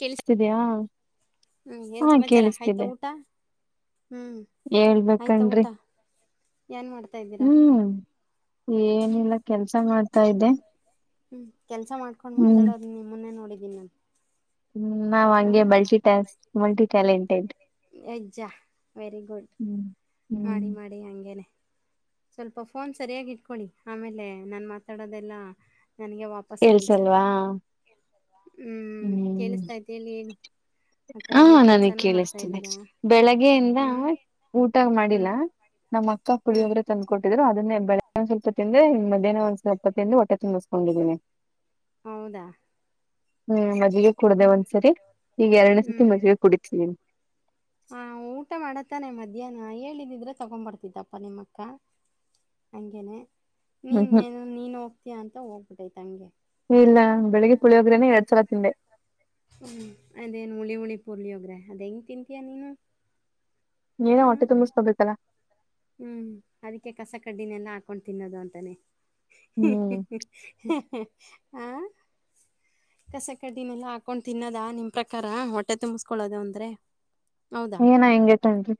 ಕೆಲ್ಸ ಸರಿಯಾ ಹ್ಮ್ ಏನ್ ಸಮಾಚಾರ ಆಯ್ತಾ ಊಟ ಹ್ಮ್ ಹೇಳ್ಬೇಕನ್್ರಿ ಏನು ಮಾಡ್ತಾಯಿದ್ದೀರಾ ಏನಿಲ್ಲ ಕೆಲ್ಸ ಮಾಡ್ತಾ ಇೆ ಹ್ಮ್ ಕೆಲ್ಸ ಮಾಡ್ಕೊಂಡ್ ಮಾತಾಡೋದು ನಿಮ್ಮನ್ನೆ ನೋಡಿದೀನಿಾನು ಹ್ಮ್ ನಾವ್ ಹಂಗೆ ಮಲ್ಟಿಟ್ಯಾ ಮಲ್ಟಿ ಟ್ಯಾಲೆಂಟೆಡ್ ಎಜ್ಜ ವೆರಿ ಗುಡ್ ಹ್ಮ್ ಹ್ಮ್ ಮಾಡಿ ಮಾಡಿ ಹಂಗೇನೆ ಸ್ವಲ್ಪ ಫೋನ್ ಸರಿಯಾಗಿ ಇಟ್ಕೊಳ್ಳಿ ಆಮೇಲೆ ನಾನ್ು ಮಾತಾಡೋದೆಲ್ಲ ನನಗೆ ವಾಪಸ್ ಕೇಳ್ಸೋದು ಕೇಳ್ಸಲ್ವಾ ಹ್ಮ್ ಕೇಳಿಸ್ತಾ ತಿ ಇಲ್ಲಿ ಆ ಹ ಕಡೆನೆೇ ನನಗ್ ಕೆಲ್ಸಾನು ಮಾಡ್ತ ಕೇಳಿಸ್ತಿದೆ ಬೆಳಗ್ಗೆಯಿಂದ ಊಟ ಹ್ಮ್ ಮಾಡಿಲ್ಲ - ನಮ್ಮ ಅಕ್ಕ ಹ್ಮ್ ಪುಳಿಯೋಗರೆ ತಂದ ಕೊಟ್ಟಿದ್ರು. ಅದನ್ನೇ ಬೆಳಿಗ್ಗೆ ಒಂದ ಸ್ವಪ ತಿಂದೆ ಮಧ್ಯಾಹ್ನೆ ಒಂದ್ ಸ್ವಲ್ಪ ತಿಂದು ಹೊಟ್ಟೆ ತುಂಬಿಸ್ಕೊಂಡಿದೀನಿ. ಹೌದಾ ಹ್ಮ್ ಮಜ್ಜಿಗೆ ಕೂಡದೆ ಒಂದ್ಸರಿ ಈಗ ಎರಡನೇ ಸತಿ ಹ್ಮ್ ಮಜ್ಜಗಿ ಕುಡಿತೀನಿ. ಹಾ ಊಟ ಮಾಡಾತಾನೆ ಮಧ್ಯಾಹ್ನ ಹೇಳಿದಿದ್ರೆ ತಗೊಂಡ್ ಬರ್ತಿದ್ದಪ್ಪ ನಿಮ್ಮಕ್ಕ. ಹಂಗೇನೆ ಹ್ಮ್ ನೀನ್ ಹ್ಮ್ ನೀನ್ ಹೋಗ್ತೀಯಾ ಅಂತ ಹೋಗ್ಬಿಟ್ಟೈತ ಹಂಗೆ. ಇಲ್ಲ ಬೆಳಿಗ್ಗೆ - [unintelligible] ಹ್ಮ್ ಅದೇನ್ ಹುಳಿ ಹುಳಿ ಪುಳಿಯೋಗರೆ. ಅದ ಹೆಂಗ್ ತಿಂತೀಯಾ ನೀನು. ನೀನು ಹ ಹೊಟ್ಟೆ ತುಂಬಿಸಿಕೊಬೇಕಲ್ಲ. ಹ್ಮ್ ಅದಕ್ಕೆ ಕಸ ಕಡ್ಡಿನೆಲ್ಲಾ ಹಾಕೊಂಡು ತಿನ್ನೋದು ಅಂತಾನೆ- ಹ್ಮ್ [unintelligible] [unintelligible] ಕಸ ಕಡ್ಡಿನೆಲ್ಲ ಹಾಕೊಂಡ್ ತಿನ್ನದ ನಿಮ ಪ್ರಕಾರ ಹೊಟ್ಟೆ ತುಂಬಸ್ಕೊಳೋದ ಅಂದ್ರೆ. ಏನ ಹಿಂಗ ಹೇಳ್ತಾನ್ರಿ.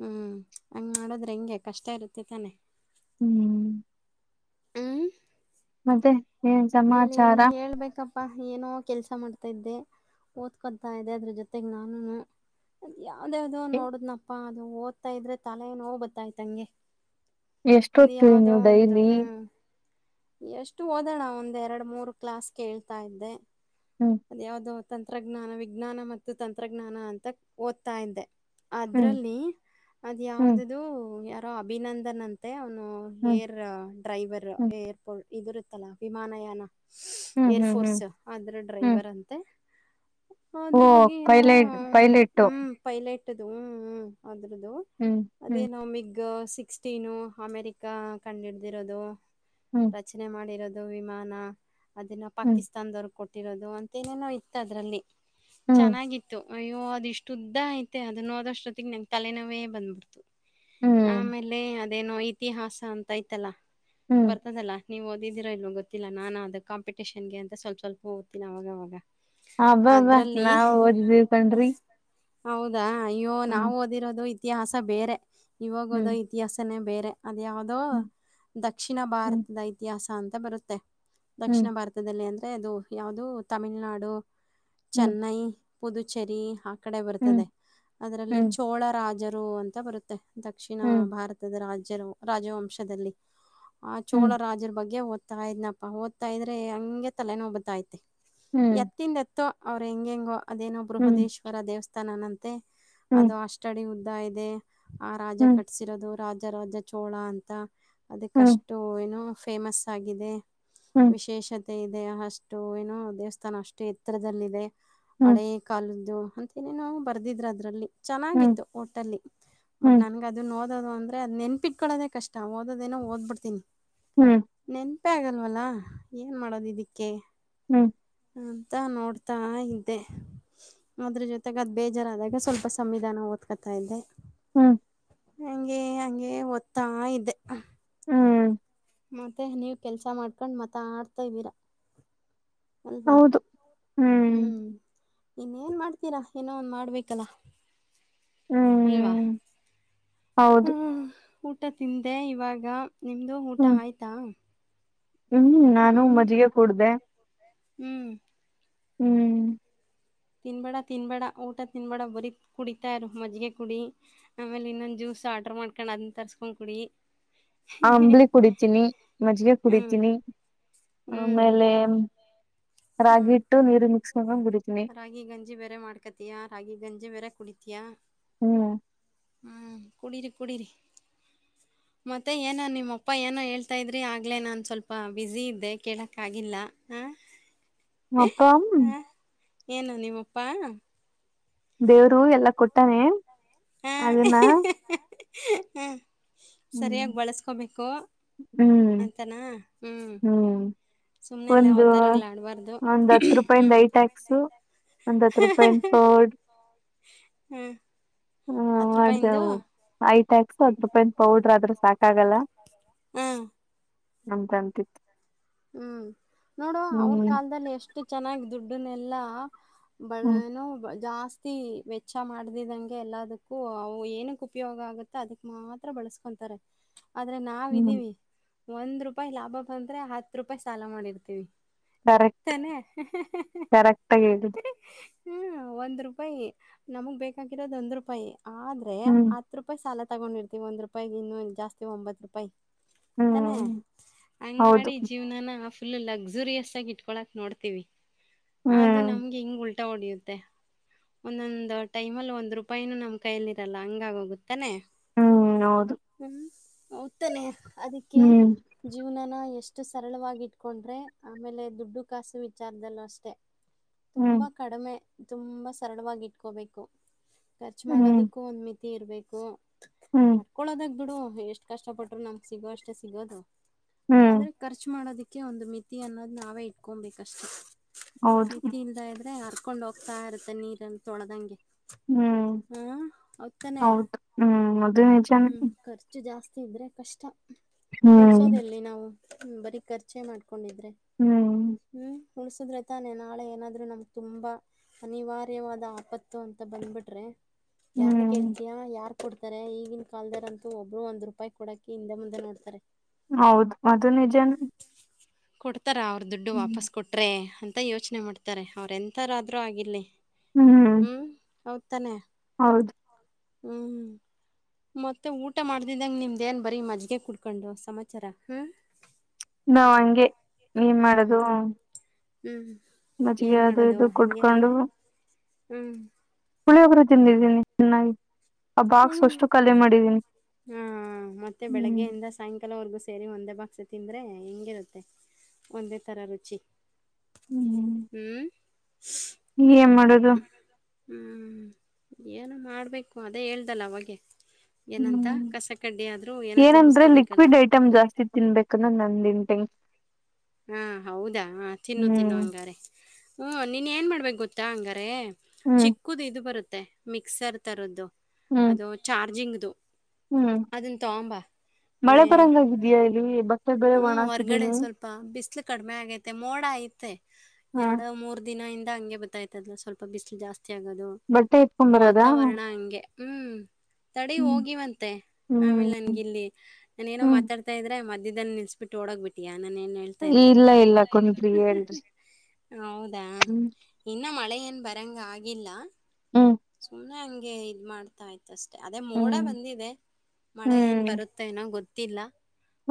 ಹ್ಮ್ ಹಂಗ ಮಾಡದ್ರೆ ಹೆಂಗೆ ಕಷ್ಟ ಇರುತ್ತೆ ತಾನೆ. ಹ್ಮ್ ಹ್ಞೂ ಮತ್ತೆ ಏನ್ ಸಮಾಚಾರ. ಅಪ್ಪ ಏನೋ ಕೆಲಸ ಮಾಡ್ತಾಯಿದ್ದೆ ಓದ್ಕೊತಾ ಇದೆ ಅದ್ರ ಜೊತೆಗೆ ನಾನು. ಅದ ಯಾವ್ದ ಯಾವ್ದೋ ನೋಡದ್ನಪ್ಪಾ ಅದು ಓದ್ತಾ ಇದ್ರೆ ತಲೆ ನೋವ ಬತ್ತಾತ ಹಂಗೆ. ಎಷ್ಟೊಒತ್ತೀರಿ ನೀವು ಡೈಲಿ. ಎಷ್ಟು ಓದೋಣ ಒಂದ್ ಎರಡು ಮೂರು ಕ್ಲಾಸ್ ಕೇಳ್ತಾ ಇದ್ದೆ ಹ್ಮ್ ಅದ ಯಾವ್ದೋ. ತಂತ್ರಜ್ಞಾನ ವಿಜ್ಞಾನ ಮತ್ತು ತಂತ್ರಜ್ಞಾನ ಅಂತ ಓದ್ತಾ ಇದ್ದೆ. ಹ್ಮ್ ಅದ್ರಲ್ಲಿ ಅದ್ ಹ್ಮ್ ಯಾವ್ದದು ಯಾರೋ ಅಭಿನಂದನ್ ಅಂತೆ ಅವ್ನ ಹ್ಮ್ ಏರ್ ಡ್ರೈವರ್ ಹ್ಮ್ ಏರ್ಪೋರ್ಟ್ ಇದರುತ್ತಲ್ಲಾ ವಿಮಾನಯಾನ ಏರ್ ಹ್ಮ್ ಹ್ಮ್ ಹ್ಮ್ ಫೋರ್ಸ್ ಅದ್ರ ಹ್ಮ್ ಡ್ರೈವರ್ ಅಂತೆ ಓ ಅದ್ರ ಬಗ್ಗೆ ಏನೋ ಪೈಲಟ್ ಪೈಲಟ್ಟು ಹ್ಮ್ ಫೈಲೆಟದು ಹ್ಮ್ ಹ್ಮ ಅದ್ರ್ದು ಹ್ಮ್ ಅದ ಹ್ಮ್ ಏನೋ ಮಿಗ್- ಸಿಕ್ಸ್ಟೀನು ಅಮೇರಿಕ ಕಂಡು ಹಿಡಿದಿರೋದು ಹ್ಮ್ ರಚನೆ ಮಾಡಿರೋದು ವಿಮಾನ - ಅದನ್ನ ಹ್ಮ್ ಪಾಕಿಸ್ತಾನದವ್ರಗ್ ಕೊಟ್ಟಿರೋದು ಅಂತ ಏನೇನೋ ಇತ್ತು ಅದ್ರಲ್ಲಿ. ಹ್ಮ್ ಚೆನ್ನಾಗಿತ್ತು. ಅಯ್ಯೋ ಅದ ಇಷ್ಟು ಉದ್ದ ಐತೆ ಅದನ್ನ ಓದಷ್ಟೊತ್ತಿಗೆ ನಂಗೆ ತಲೆನೋವೆ ಬಂದ್ಬಿಡ್ತು. ಹ್ಮ್ ಆಮೇಲೆ ಅದೇನೊ ಇತಿಹಾಸ ಅಂತ ಇತೆಲ್ಲ ಹ್ಮ್ ಬರ್ತದಲ್ಲ - ನೀವು ಓದಿದಿರ ಇಲ್ವ ಗೊತಿಲ್ಲ ನಾನ ಅದ ಕಂಪಟೇಷನ್ಗೆ ಅಂತ ಸ್ವಲ್ಪ ಸ್ವಲ್ಪ ಓದ್ತಿದ್ದೆ ಅವಾಗವಾಗ. ಅಬ್ಬಬ್ಬಾ ಅದ್ರಲ್ಲಿ ನಾವು ಓದಿದ್ದೀವ ಕಣ್ರಿ. ಹೌದಾ ಅಯ್ಯೋ ಹ್ಮ್ ನಾವು ಓದಿರೋದು ಇತಿಹಾಸ ಬೇರೆ ಇವಾಗ ಹ್ಮ್ ಓದೋ ಇತಿಹಾಸನೇ ಬೇರೆ. ಅದ ಯಾವುದೋ ಹ್ಮ್ ದಕ್ಷಿಣ ಹ್ಮ್ ಭಾರತದ ಇತಿಹಾಸ ಅಂತ ಬರುತ್ತೆ. ಹ್ಮ್ ದಕ್ಷಿಣ ಭಾರತದಲ್ಲಿ ಅಂದರೆ ಅದು ಯಾವುದು ತಮಿಳನಾಡು ಚೆನ್ನೈ ಪುದುಚೇರಿ ಆ ಕಡೆ ಹ್ಮ್ ಹ್ಮ್ ಬರ್ತದೆ ಅದರಲ್ಲಿ ಹ್ಮ್ ಹ್ಮ್ ಚೋಳ ರಾಜರು ಅಂತ ಬರುತ್ತೆ ದಕ್ಷಿಣ ಹ್ಮ್ ಭಾರತದ ರಾಜ್ಯರು ರಾಜವಂಶದಲ್ಲಿ ಆ ಚೋಳ ಹ್ಮ್ ರಾಜರ ಬಗ್ಗೆ. ಓದತಾ ಇದ್ನಪ್ಪಾ ಓದ್ತಾ ಇದ್ರೆ ಹಂಗೆ ತಲೆನೋವ ಬರಾತೈತಿ ಎತ್ತಿಂದ ಎತ್ತೋ ಅವ್ರ ಹೆಂಗ ಹೆಂಗೋ ಅದೇನೋ ಹ್ಮ್ ಹ್ಮ್ ಹ್ಮ್ ಹ್ಮ್ ಹ್ಮ್ ಬೃಹದೇಶ್ವರ ದೇವಸ್ಥಾನನಂತೆ ಅದು ಹ್ಮ್ ಅಷ್ಟಡಿ ಉದ್ದ ಅಂತಾ ಇದೆ ಆ ರಾಜ ಹ್ಮ್ ಕಟ್ಸಿರೋದು ರಾಜ ರಾಜ ಚೋಳ ಅಂತ - ಅದಕ್ಕಷ್ಟು ಏನೋ ಫೇಮಸ್ ಆಗಿದೆ ವಿಶೇಷತೇ - ಮತ್ತ ಇದೆ ಅಷ್ಟು ಏನೋ ದೇವಸ್ಥಾನ ಅಷ್ಟು ಎತ್ತರದಲ್ಲದೆ ಹ್ಮ್ ಹಳೆಯ ಕಾಲದ್ದು- ಅಂತನೇನು ಬರ್ದಿದ್ರಅದ್ರಲ್ಲಿ ಚೆನ್ನಾಗಿತ್ತು ಓಟಲ್ಲಿ ಬಟ್ ಹ್ಮ್ ನನ್ಗೆ ಅದು ನೋಡಿ - [unintelligible] ಅದು ನೆನ್ಪಿಟ್ಕೊಳ್ಳೋದ ಕಷ್ಟ ಓದೋದೇನೋ ಓದ್ಬಡ್ತೀನಿ. ಹ್ಮ್ ತಪ್ಪೆ ಆಗಲ್ವಲ್ಲ ಏನ್ ಮಾಡೋದು ಇದಕ್ಕೆ ಹ್ಮ್ ಅಂತ ನೋಡ್ತಾ ಇದಿದ್ದೆ ಅದ್ರ ಜೊತೆಗೆ ಅದ್ ಬೇಜಾರಾದಾಗ ಸ್ವಲ್ಪ ಸಂವಿಧಾನ ಓದ್ಕೊತಾ ಇದ್ದೆ ಹ್ಮ್ ಹಂಗಗೆ ಹಂಗೆ ಓದ್ತಾ ಇ್ದದೆ ಹ್ಮ್ ಮತ್ತೆ ನೀವು ಕೆಲಸ ಮಾಡ್ಕೊಂಡು ಮಾತ ಆಡ್ತಾಬೀರಾ ಹೌದು ಹ್ಮ್ ಇನ್ನೇನ ಮಾಡ್ತೀರಾ ಏನೋ ಒಂದು ಮಾಡಬೇಕಲ್ಲ ಅಲ್ವಾ. ಹ್ಮ್ ಹೌದು ಹ್ಮ್ ಊಟ ತಿಂದೆ ಇವಾಗ ನಿಮ್ದು ಊಟ ಹ್ಮ್ ಆಯ್ತಾ ಹ್ಮ್ ನಾನು ಹ್ಮ್ ಮಜ್ಜಿಗೆ ಕೂಡ್ದ ಹ್ಮ್ ಹ್ಮ್ ತಿನ್ಬೇಡ ತಿನ್ಬೇಡ ಊಟ ತಿನ್ಬೇಡ ಬರೀ ಕುಡಿತಾರು ಮಜ್ಜಗೆ ಕುಡಿ ಆಮೇಲೆ ಇನ್ನೊಂದು ಜ್ಯೂಸ್ ಸ ಆರ್ಡ್ರರ್ ಮಾಡ್ಕೊಂಡ್ ಅದನ್ನ ತರ್ಸ್ಕೊಂಡ್ ಕುಡಿ ಅಂಬಳ ಕುಡಿತೀನಿ ಮಜ್ಿಗೆ ಹ್ಮ್. ಕುಡಿತೀನಿ ಹ್ಮ್ ಆಮೇಲೆ ರಾಗಿ ಹ್ಮ್ ಇಟ್ಟು ನೀರು ಮಿಕ್ಸ್ ಮಾಡ್ಕೊಂಡ್ ಕುಡಿತೀನಿ ರಾಗಿ ಗಂಜಿ ಬೇರೆ ಮಾಡ್ಕತಿಯಾ ರಾಗಿ ಗಂಜಿ ಬೇರೆ ಕುಡಿತ ತ್ಯ ಹ್ಮ್ ಹ್ಮ ಕುಡರಿ ಕುಡ ರ ಹ ಮತ್ತೆ ಏನ ನಿಮ್ಮಪ್ಪ ಏನೋ ಹೇಳ್ತಾ ಇದ್ರಿ ಆಗ್ಲೆೇ ನಾನ್ ಸ್ವಲ್ಪ ಬಸಿ ಇದ್ದೆ ಕೇಳಕ್ ಆಗಲ್ಲ ಅಪ್ಪ ಏನ ನೀಮ್ಮಪ್ಪಾ ದೇವರು ಎಲ್ಲಾ ಕೊಟ್ಟಾನೆ ಅದನ್ನ ಹ್ಮ್ ಹ್ಮ್ ಸರಿಯಾಗಿ ಬಳಸ್ಕೋಬೇಕು ಹ್ಮ್ ಅಂತಾನ ಹ್ಞ ಹ್ಮ್ ಒಂದು ಒಂದ್ ಹತ್ ರೂಪಾಯಂದ ಹ್ಮ್ ಐಟ್ಯಾಕ್ಸು ಒಂದಂದು ಹತ್ತು ರೂಪಾಯಿನ ಪರ್ಡ್ ಹ್ಮ್ ಹ ಹತ್ತು ರೂಪಾಯಿಂದು ಮಾಡ್ದವು ಐಟ್ಯಾಕ್ಸ್ ಅದ್ ರೂಪಾಯಿಂದ ಪೌಡ್ರ ಆದ್ರೆ ಸಾಕಾಗಲ್ಲ ಹ್ಮ್ ಹಂತ ಅಂತಿತ್ತು ಹ್ಮ್ ನೋಡು ಅವ್ರ ಹ್ಮ್ ಕಾಲದಲ್ಲಿ ಎಷ್ಟು ಚೆನ್ನಾಗ ದುಡ್ಡನೆಲ್ಲಾ ಹ್ಮ್ ಬನು ಜಾಸ್ತಿ ಜಾಸ್ತಿ ವೆಚ್ಚ ಮಾಡಿದಂಗೆ ಎಲ್ಲದಕ್ಕೂ ಏನಕ್ಕೆ ಉಪಯೋಗ ಆಗುತ್ತೆ ಅದಕ್ ಮಾತ್ರ ಬಳಕ ಅಂತಾರೆ ಆದ್ರೆ ಹ್ಮ್ ನಾವ್ದೀವಿ ಒಂದ್ ರೂಪಾಯಿ ಲಾಭ ಬಂದ್ರೆ ಹತ್ ರೂಪಾಯಿ ಸಾಲ ಮಾಡಿರ್ತೀವಿ ಕರೆಕ್ಟ್ ತನೆ ಕರೆಕ್ಟ್ ಆಗಿ ಹೇಳಿದ್ ಹ್ಮ್ ಒಂದ್ ರೂಪಾಯಿ ನಮಗ್ ಬೇಕಾಗಿರೋದ ಒಂದ್ ರೂಪಾಯಿ ಆದ್ರೆ ಹ್ಮ್ ಹತ್ ರೂಪಾಯಿ ಸಾಲ ತಗೊಂಡಿರ್ತವಿ ಒಂದ್ ರೂಪಾಯ ಇನ್ನೊ ಜಾಸ್ತಿ ಒಂಬತ್ತು ರೂಪಾಯಿ ತಾನೆ ಹ್ಮ್ ಹಂಗ ಹೌದು ಮಾಡಿ ಫು ಲರಿಯ ಆ ಇ ನೋಡ್ ಅದು ಹ್ಮ್ ನಮಗೆ ಹ ಉ ಹೊಡಿಯುತ್ತೆ ಒಂದೊಂದಂದು ಟೈಮ ಅಲ್ಲಿ ಒಂದ್ ರೂಪಾಯಿನೂ ನಮ್ ಕೈಯಲ್ಲಿ ಇರಲ್ಲ ಹಂಗಗೋಗುತ್ತೆ ತನೆ ಹ್ಮ್ ಹೌದು ಹ್ಮ ಉತ್ತನೇ ಅದಕ್ಕೆ ಹ್ಮ್ ಜೀವನನ ಅಷ್ಟು ಸರಳವಾಗಿ ಇಟ್ಕೊಂಡ್ರೆ ಆಮೇಲೆ ದುಡ್ಡು ಕಾಸು ವಿಚಾರದಲ್ಲೂ ಅಷ್ಟೆ ಹ್ಮ್ ತುಂಬಾ ಕಡಿಮೆ ತುಂಬಾ ಸರಳವಾಗಿ ಇಟ್ಕೋಬೇಕು ಖರ್ಚು ಹ್ಮ್ ಮಾಡೋದಕ್ಕೂ ಒಂದ್ ಮಿತಿ ಇರ್ಬೇಕು ಹ್ಮ್ ಪಡ್ಕಳೋದಾಗ ಬಿಡು ಎಷ್ಟ ಕಷ್ಟಪಟ್ಟರು ನಮ್ಗೆ ಸಿಗೋ ಅಷ್ಟೇ ಸಿಗೋದು ಹ್ಮ್ ರ್ಚ್ ಮಾಡೋದಕ್ಕೆ ಒಂದು ಮಿತಿ ಅನ್ನೋದು ನಾವೇ ಇಟ್ಕೊಬೇಕಷ್ಟೇ ಹೌದು ಮಿತಿಿಯಿಂದ ಇದ್ರೆ ಯ ಕಕೊಂಡು ಹೋಗ್ತಾ ಇರುತ್ತೆ ನೀರಲ್ಲಿ ತೊಳೆ್ದಂಗೆ ಹ್ಮ್ ಹೌತಾನೆ ಹೌದು ಹ್ಮ್ದು ಹ್ಮ್ ಖರ್ಚು ಜಾಸ್ತಿ ಇದ್ರೆ ಕಷ್ಟ ಹ್ಮ್ ಮುಡ್ಸೋದೆಲ್ಲಿ ನಾವು ಹ್ಮ ಬರೀ ಖರ್ಚೆ ಮಾಡ್ಕೊಂಡಿದ್ರೆ ಹ್ಮ್ ಹ್ಮ್ ಉಳಸಿದ್ರೆ ತಾನೆ ನಾಳೆ ಏನಾದ್ೂ ನಮ್ಗೆ ತುಂಬಾ ಅನಿವಾರ್ಯವಾದ ಆಪತ್ತು ಅಂತ ಬಂದ್ಬಿಟ್ರೆ ಯಾರ್ನ್ನ ಹ್ಮ್ ಕೇಳ್ತಯ ಯಾರ್ ಕೊಡ್ತಾರೆ ಈಗ ಆಗಿನ ಕಲ್ದರಂತೂ ಒಬ್ಬರು ಒಂದ್ ರೂಪಾಯಿ ಕೊಡಕಿ ಹಿಂದೆ ಮುಂದೆ ನೋಡ್ತಾರೆ ಹೌದು ಅದು ನಿಜನ ಕೊಡ್ತಾರ ಅವ್ರ ದುಡ್ಡು ವಾಪಸ್ು ಕೊಟ್ರರೆ ಅಂತ ಅಂತ ಯೋಚನೆ ಮಾಡ್ತಾರೆ ಅವ್ರೆ ಎಂಥಾರಾದರೂ ಆಗಿಿಲ್ಲ ಹ್ಮ್ ಹೌದತಾನೆ ಹೌದು ಹ್ಮ್ ಮತ್ತೆ ಊಟ ಮಾಡ್ದಿದ್ದಂಗ ನಿಮ್ದೇನ್ ಬರೀ ಮಜ್ಗೆ ಕುಡ್ಕೊಂಡು ಸಮಾಚಾರ ಹ್ಮ್ ನಾಾವ್ ಹಂಗೆ ನೀನ್ ಮಾಡದು ಹ್ಮ್್ಮ ಮಜ್ಜಿಗೆ ಅದು ಇದು ಕುಟ್ಕೊಂಡು ಹ್ಮ್ ಪುಳಿಯ ಹೋಗರು ತಿಂದಿದ್ದೀನಿ ಚೆನ್ನಾಗಿ ಆ ಬಾಕ್ಸ್ ಹ್ಮ ಅಷ್ಟು ಖಾಲಿ ಮಾಡಿದೀನಿ ಹಾ ಮತ್ತೆ ಹ್ಮ್ ಬೆಳಗ್ಗೆಯಿಂದ ಸಾಯಂಕಾಲವರೆಗೂ ಸೇರಿ ಒಂದೆ ಬ ಆಸೆ ತಿಂದರೆ ಹೆಂಗಿರುತ್ತೆ ಒಂದೇ ಥರ ರುಚಿ ಹ್ಮ್ ಹ್ಮ್ ಏನ್ ಮಾಡೋದು ಹ್ಮ್ ಏನು ಮಾಡ್ಬೇಕು ಅದೇ ಹೇಳ್ದಲ್ಲ ಅವೆ ಹ್ಮ್ ಏನೋ ಏನಂದ್ರೆ ತುಂಬಿಸ್ಕೋಬೇಕಲ್ಲ ಲಿಕ್ವಿಡ್ ಐಟಮ್ ಜಾಸ್ತಿ ತಿನ್ಬೇಕನ್ನ ನಂದನ್ [inaudible] ಹಾ ಹೌದಾ ಹ ತಿನ್ನು ಹ್ಮ್ ತಿನ್ನು ಹಂಗಾರೆ ಹ್ಮ್ ನೀನ್ ಏನ್ ಮಾಡ್ಬೇಕು ಗೊತ್ತಾ ಹಂಗಾರೆ ಹ್ಮ್ ಚಿಕ್ಕದು ಇದು ಬರುತ್ತೆ ಮಿಕ್ಸರ್ ತರದ್ದು ಹ್ಮ್ ಅದು ಚಾರ್ಜಿಂಗ್ ಹ್ಮ್ ಏ ಮಳೆ ಬರಂಗಾಗಿದ್ಯಾ ಇಲ್ಲಿ ಬ ಮತ್ತೆ ಬೆೇರೆ ಹ್ಞೂ ಒಣ ಹೊರ್ಗಡೆ ಹಾಕಿದ್ದೀನಿ ಸ್ವಲ್ಪ ಬಿಸಿಲು ಕಡಿಮೆ ಆಗೈತೆ ಮೋಡ ಐತೆ ಹಾ ಎರಡು ಮೂರ್ ದಿನ ಇ ಹಂಗೆ ಗೊತ್ತಾಯ್ತದಲ್ಲ ಸ್ವಲ್ಪ ಬಿಸಿಲು ಜಾಸ್ತಿ ಆಗೋದು ಬಟ್ಟೆ ಎತ್ಕೊಂಡ್ ಬರೋದಾ ವಾತಾವರಣ ಹಂಗೆ ಹ್ಮ್ ತಡೆ ಹ್ಮ್ ಹೋಗಿವಂತೆ ಹ್ಮ್ ಆಮೇಲೆ ನನ್ಗಿಲ್ಲಿ ನಾನೇಏನೋ ಹ್ಮ್ ಮಾತಾಡ್ತಾ ಇದ್ರೆ ಮ ಇದನ್ನ ನಿಲ್ಸ್ಬಟ್ಟ ಡಗ್ ಬಿಿಟಾ ಇಲ್ಲ ಇಲ್ಲ ಕುಂ್ರಿ ಹೇಳ್ರಿ ಹೌದಾ ಹ್ಮ್ ಇನ್ನ ಮಳೆ ಏನ್ ಬರಂಗ ಆಗಿಲ್ಲ ಹ್ಮ್ ಸುಮ್ನೆ ಹಂಗೆ ಇದ್ ಮಾಡ್ತಾ ಆಯ್ತ ಮಷ್ಟೇ ಅದೇ ಮೋಡ ಹ್ಮ್ ಬಂದಿದೆ ಮಳೆ ಏನ್ ಹ್ಮ್ ಬರುತ್ತೆ ನೋ ಗೊತ್ತಿಲ್ಲ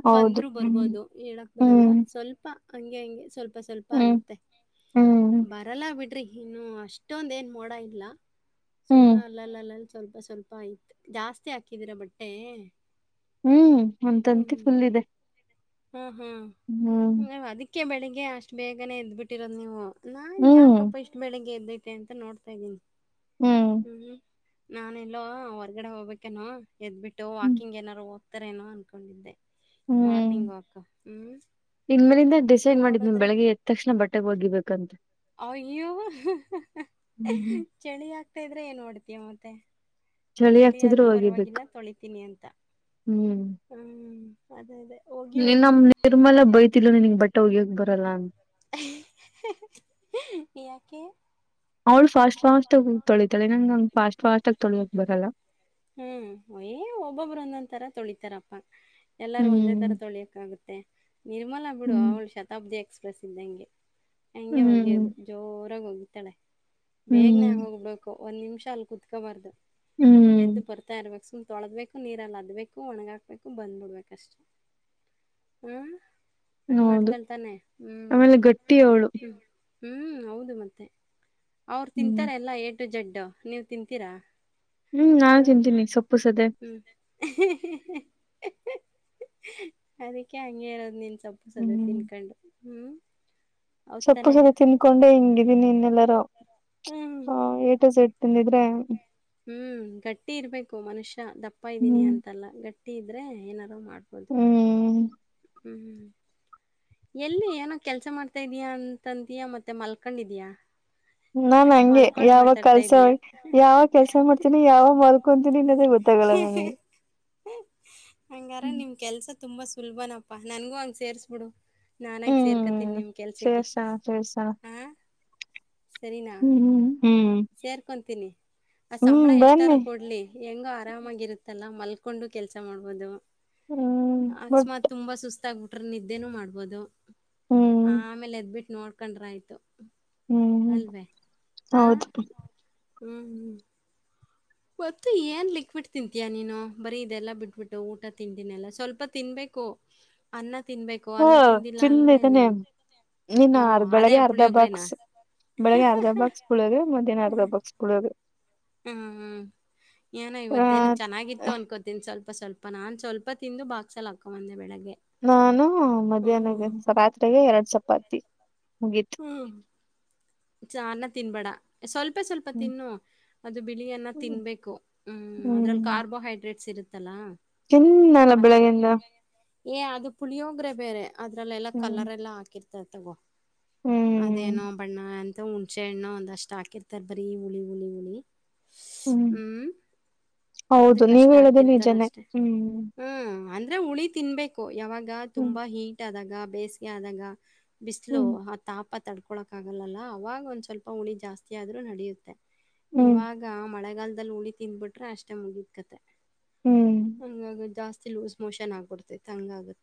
ಹೌದು ಬಂದ್ರು ಹ್ಮ್ ಬರ್ಬೋದು ಹೇಳಕ್ ಬರಲ್ಲ ಹ್ಮ್ ಸ್ವಲ್ಪ ಹಂಗೆ ಹಂಗೆ ಸ್ವಲ್ಪ ಸ್ವಲ್ಪ ಸ್ವಲ್ಪ ಹ್ಮ್ ಐತೆ ಹ್ಮ್ ಬರಲ್ಲ ಬಿಡ್ರಿ ಇನ್ನು ಅಷ್ಟೊಂದ ಏನ್ ಮೋಡ ಇಲ್ಲ ಹ್ಮ್ ಸುಮನೆ ಅಲ್ಲಲ್ಲ ಅಲ್ಲಲ್ ಸ್ವಲ್ಪ ಸ್ವಲ್ಪ ಆಯ್ತ್ ಜಾಸ್ತಿ ಹಾಕಿದೀರ ಬಟ್ಟೆ ಹ್ಮ್ ಅಂತಂತೆಿ ಫುಲ್ ಇದೆ ಹ್ಮ್ ಹ್ಮ್ ಹ್ಮ್ ನ್ ಅದಕ್ಕೆ ಬೆಳಿಗ್ಗೆ ಅಷ್ಟು ಬೇಗನೆ ಇದದ್ಬಿಟ್ಟಿರೋದ್ ನೀವು ನಾನ್ ಹ್ಮ್ ಯಾಕಪ್ಪ ಇಷ್ಟು ಬೆಳಿಗ್ಗೆ ಎದ್ದೈತೆ ಅಂತ ನೋಡ್ತಾ ಇದ್ದೀನಿ ಹ್ಮ್ ನಾನ ಎಲ್ಲೋ ಹೊರ್ಗಡೆ ಹೋಗ್ಬೇಕೇನೋ ಎದ್ಬಿಟ್ಟು ಹ್ಮ್ ವಾಕಿಂಗ್ ಏನಾರು ೋಗ್ತಾರೇನೋ ಅನ್ಕೊಂಡಿದ್ದೆ ಹ್ಮ್ ಹ್ಮ್ ಮಾರ್ನಿಂಗ್ ವಾಕ್ ಹ್ಮ್ ಇನ್ ಮೇಲಿಂದ ಡಿಸೈಡ್ ಮಾಡಿದ್ನ ನೋಡುದ್ರೆ ಬೆಳಿಗ್ಗೆ ಎ್ ತಕ್ಷಣ ಬಟ್ಟೆೆಗೆ ಒಗಿಬೇಕಂತ. ಅಯ್ಯೋ ಹ ಚಳಿ ಆಗ್ತಾ ಇದ್ರೆ ಏನ್ ನೋಡ್ತಯ ಮತ್ತೆ ಚಳಿ ಆಗ್ತಿದ್ರು ಚಳಿದ್ರೂ ಒಗಿಬೇಕು ಪರವಾಗಿಲ್ಲ ತೊಳಿತೀನಿ ಅಂತ ಹ್ಮ್ ಅದೇ ಅದೇ. ಹೋಗಿ ನೀನ್ ಹೋಗಿ ನಮ್ಮ್ ನಿರ್ಮಲ ಬೈತಿಲ್ಲ ನನ್ಗ್ ಬಟ್ಟೆ ಹಗ್ಯಕ್ ಬರಲ್ಲ ಅಂತ. ಹ ಯಾಕೆ ಅವ್ಳ ಫಾಸ್ಟ್ ಫಾಸ್ಟ್ ತಳಿತಳೆ ನಂಗಗೆಂಗ ಫಸ್ಟ್ ಫಸ್ಟ ಆ ತೊಳೋಕ್ ಬರಲ್ಲ. ಹ್ಮ್ ಯ ಒಬ್ಬೊಬ್ರು ಒಂದೊಂತರ ತೊಳಿತಾರಪ್ಪ. ಎಲ್ಲಾರೂ ಒಂದೇ ತರ ಹ್ಮ್ ತೊಳಿಯಕ್ ಆಗುತ್ತೆ ನಿರ್ಮಲ ಬಿಡು ಹ್ಮ್ ಅವಳು ಶತಾಬ್ದಿ ಎಕ್ಷ. ಪ್ರಸಿದ್ಧ ಹಂಗೆ ಹಗೆ ಹ್ಮ್ ಹೋಗಿಯೋದು ಜೋರಾಗಿ ಹೋಗಿತಾಳೆ. ಹ್ಮ್ ಬೇಗನ್ಯಾಗ ಹೋಗ್ಬೇಕು ಒಂದ್ ನಿಮಿಷ ಅಲ್ ಕುತ್ಕಬಾರ್ದು. ಹ್ಮ್ ಎದ್ದು ಬರ್ತಾ ಇರ್ಬೇಕು ಸುಮ್ ತೊಳದ್ಬೇಕು ನೀರಲ್ಲಿ ಅದ್ಬೇಕು ಒಣಗಾಕ್ಬೇಕು ಬಂದ್ಬ ಬಿಡ್ಬೇಕ ಅಷ್ಟೇ ಹ ಹ್ಮ ಹಂಗ ಮಾಡ್ತಳ್ತಾನೆ ಹ್ಮ್ ಆಮೇಲೆ ಗಟ್ಟಿ ಅವಳು ಹ್ಮ ಹ್ಮ್ ಹೌದು ಮತ್ತೆ ಅವ್ರು ಹ್ಮ್ ತಿಂತಾರೆ ಎಲ್ಲ ಏ ಟು ಜಡ್ಡು ನೀವು ತಿಂತೀರಾ ಹ್ಮ್ ನಾನು ತಿಂತೀನಿ ಸೊಪ್ಪು ಸದೆ. ಹ ಅದಕ್ಕೆ ಹಂಗೆ ಇರೋದು ನಿನ್ ಸಪ್ಪು ಸದ ಹ್ಮ್ ತಿನ್ಕೊಂಡು ಹ್ಮ್. ಸೊಪ್ಪು ಹೌತಾನೆ ಸದೆ ತಿನ್ಕೊಂಡೆ ಹಿಂಗಿದ್ದೀನಿ ಇನ್ನೆಲ್ಲಾರೂ ಹ್ಮ್ ಹ ಏಟು ಜೆಡ್ ತಂದಿದ್ರೆ ಹ್ಮ್ ಗಟ್ಟಿ ಇರ್ಬೇಕು ಹ್ಮ್ ಹಟ್ಟಿ ಇದ್ರೆ ಏನಾರೂ ಮಾಡ್ಬೋದು. ಹ್ಮ್ ಹ್ಮ್ ಹ್ಮ ಎಲ್ಲಿ ಏನೋ ಕೆಲ್ಸ ಮಾಡ್ತಾ ಇದೀಯಾ ಅಂತಂತೀಯಾ ಮತ್ತೆ ಮಲ್ಕೊಂಡಿದಯ. ನಾ ಹಂಗೆ ಯಾವ ಕೆಲ್ಸ ಇದೀಯಾ ಯಾವ ಕೆಲ್ಸ ಮಾಡ್ತೀನಿ ಯಾವ ಮಲ್ಕೊಂತೀನಿ. ಗೊತ್ತಾಗಲ್ಲ ನನಗೆ. ಹ ಹಂಗಾರ ನಿಮ್ ಕೆಲ್ಸ ತುಂಬಾ ಸುಲಭನಪ್ಪಾ ನನ್ಗೂ ಹಂಗ ಸೇರ್ಸ್ಬಿಡು. ನಾನಾಗ ಸೇರ್ಕತೀನಿ ಹ್ಮ್ ನಿಮ ಕೆಲ್ಸಕ್ಕೆ ಶೇರ್ಸಣ ಶೇರ್ಸಣ ಆ. ಸರಿನಾ ಹ್ಮ್ ಸೇರ್ಕೊಂತೀನಿ ಆ ಹ್ಮ್ ಸಂಬಳ ಎಷ್ಟಾರ ಬನ್ನಿ ಕೊಡ್ಲಿ ಹೆಂಗೋ ಆರಾಮಾಗಿ ಇರುತ್ತಲ್ಲ. ಮಲ್ಕೊಂಡು ಕೆಲ್ಸ ಮಾಡಬಹದು ಹ್ಮ್ ಬಟ್ ಅಕಸ್ಮಾತ್ ತುಂಬಾ ಸುಸ್ತಾಗಬಟ್ಟ. ಆಟ್ರ ನಿದ್ದೇನೂ ಮಾಡ್ಬೋದು ಹ್ಮ್ ಆಮೇಲೆ ಎದ್ಬಿಟ್ಟು ನೋಡ್ಕೊಂಡ್ರೆ ಆಯ್ತು. ಹ್ಮ್ ಅಲ್ವೇ ಹಾ ಹೌದು ಹ್ಮ್ ಹ್ಮ್. ಒತ್ತು ಏನ್ ಲಿಕ್ವಿಡ್ ತಿಂತೀಯಾ ನೀನು ಬರೀ ಇದೆಲ್ಲಾ ಬಿಟ್ಬಿಟ್ಟು ಊಟ ತಿಂಡಿನಿಲ್ಲ ಸ್ವಲ್ಪ ತಿನ್ಬೇಕು. ಕೊಅನ್ನ ತಿನ್ಬೇಕು ಅನ್ನ ತಿಂದಿಲ್ಲ ಅಂದ್ರೆ ನೀನ್. ನಿನ್ ಅರ್ಧ ಹ್ಮ್ ಅದೇ ಬೆಳಗ್ಗೆ ಅರ್ಧ ಪುಳಿಯೋಗ್ರೆನಾ? ಬಾಕ್ಸ್ ಬೆಳಗ್ ಅರ್ಧ ಬಾಕ್ಸ್ ಪುಳಿಯೋಗರೆ ಮಧ್ಯಾಹ್ನ ಅರ್ಧ ಬಾಕ್ಸ್ ಪುಳಿಯೋಗರೆ ಹ್ಮ್ ಹ್ಮ್ ಏನೋ ಇವತ್ತೇಏನು ಚೆನ್ನಾಗಿತ್ತು ಅನ್ಕೋತೀನಿ ಸ್ವಲ್ಪ. ಪ ಸ್ವಲ್ಪ ನಾನ್ ಸ್ವಲ್ಪ ತಿಂದು ಬಾಕ್ಸಲ್ಲಿ ಹಾಕ ಒಂದೆ ಬೆಳಗ್ಗೆ. ನಾನು ಮಧ್ಯಾಹ್ನ ಹ್ಮ್ ರಾತ್ರೆಗೆ ಎರಡ್ ಚಪಾತಿ. ಮುಗೀತು ಹ್ಮ್ ಚಾರ್ನ ತಿನ್ಬೇಡ ಸ್ವಲ್ಪ ಸ್ವಲ್ಪ ತಿನ್ನು ಅದು ಬಿಳಿಯನ್ನ ಹ್ಮ್ ತಿನ್ಬೇಕು ಹ್ಮ್. ಹ್ಮ್ ಅದ್ರಲ್ಲಿ ಕಾರ್ಬೋಹೈಡ್ರೇಟ್ಸ್ ಇರುತ್ತೆ. ತಿನ್ನಲ್ಲ ಬೆಳಗಿಂದ. ಏ ಅದು ಪುಳಿಯೋಗ್ರೆ ಬೇರೆ ಅದ್ರಲ್ಲೆಲ್ಲಾ ಹ್ಮ್ ಕಲರ್ ಎಲ್ಲಾ ಹಾಕಿರ್ತಾರ ತಗೋ. ಹ್ಮ್ ಅದೇನೋ ಬಣ್ಣ ಎಂತ ಹುಣಸೆಹಣ್ಣು ಒಂದ್ ಅಷ್ಟ್ ಹಾಕಿರ್ತಾರ್ ಬರರಿ ಹುಳಿ ಹುಳಿ ಹುಳಿ. ಹ್ಮ್ ಹೌದು ನೀವ ಅದಕ್ಕಷ್ಟ ಹೇಳುದ ಹಾಕಿರ್ತಾರ ನಿಜನೇ ಹ್ಮ್. ಆದರೆ ಹುಳಿ ತಿನ್ಬೇಕು ಯಾವಾಗ ಹ್ಮ್ ತುಂಬಾ ಹೀಟ್ ಆದಾಗ ಬೇಸಿಗೆ ಆದಾಗ ಬಿಸಿಲು. ಹ್ಮ್ ಆ ತಾಪ ತಡ್ಕೊಳಕ್ ಆಗಲ್ಲ ಅವವಾಗ ಒಂದ್ ಸ್ವಲ್ಪ ಹುಳಿ ಜಾಸ್ತಿ ಆದ್ರೂ ನಡೆಯುತ್ತೆ. ಹ್ಮ್ ಇವಾಗ ಮಳೆಗಾಲದಲ್ಲಿ ಉಳಿ ತಿಂದ್ಬಿಟ್ರೆ ಅಷ್ಟೇ ಮುಗಿದ್ಕತೆ. ಹ್ಮ್ ಹಂಗಾಗ ಜಾಸ್ತಿ ಲೂಸ್ ಮೋಷನ್ ಆಗ್ಬಿಡ್ತೈತ್ ಹಂಗಗತ್ತ.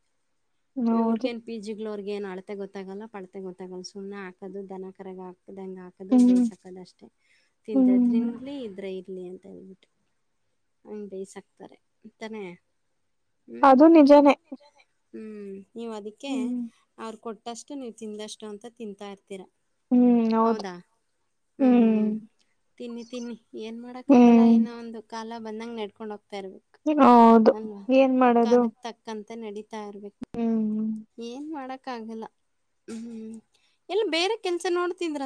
ಇವ್ರಗ ಹೌದು ನ್ ಪಿ ಜಿಳ ಅವ್ರಗ ಏನ್ ಆಡ್ತೆ ಗೊತ್ತಾಗಲ್ಲ ಪಡ್ತ. ಗೊತ್ತಾಗಲ್ಲ ಸುಮ್ನೆ ಹಾಕದು ದನ ಕರಗ ಹಾಕ. ಹಾದಂಗ ಹಾಕೋದು ಹ್ಮ್ ಬೇಸ್ ಹಾಕದ ಅಷ್ಟೇ ತಿಂದ್ರ ಹ್ಮ್ ತಿನ್ಲಿ ಇದ್ರೆ ಇ ಲಿ ಅಂತ ಹೇಳ್ಬಿಟ್ಟು ಹಂಗೆ ಬೇಯಸ ಹಕ್ತಾರೆ ಅಂತಾನೇ ಅದು ನಿಜಾನೇ ಹ್ಮ್ ನೀವು ಅದಕ್ಕೆ ಹ್ಮ್ ಅವ್ರ ಕೊಟ್ಟಷ್ಟು ನೀವು ತಿಂದಷ್ಟು ಅಂತ ತಿಂತಾ ಇರ್ತೀರಾ ಹ್ಮ್ ಹೌದು ಹ್ಮ್ ಹ್ಮ್ ತಿನ್ನಿ ತಿನ್ನಿ ಏನ್ ಮಾಡಕ್ ಆಗಲ್ಲ ಹ್ಮ್ ಎನ್ನೂ ಒಂದು ಕಾಲ ಬಂದಂಗ ನಡ್ಕೊಂಡ್ ಹೋಗ್ತ ಹೌದು ಏನ್ ಮಾಡದು ಅಂತ ನಡೀತಾ ಇರ್ಬೇಕು ಏನ್ ಮಾಡಕ್ಕ ಆಗಲ್ಲ ಹ್ಮ್ ಹ್ಮ್ ಎಲ್ಲ ಬೇರೆ ಕೆಲ್ಸ ನೋಡ್ತಿದ್ರ.